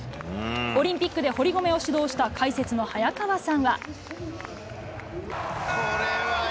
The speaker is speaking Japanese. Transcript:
オリンピックで堀米を指導した解説の早川さんは。